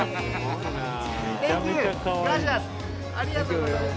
ありがとうございます。